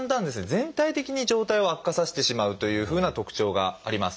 全体的に状態を悪化させてしまうというふうな特徴があります。